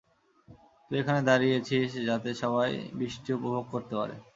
তুই এখানে দাঁড়িয়েছিস যাতে সবাই বৃষ্টি উপভোগ করতে পারে।